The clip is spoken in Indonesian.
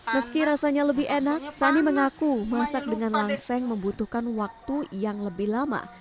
meski rasanya lebih enak sani mengaku masak dengan langseng membutuhkan waktu yang lebih lama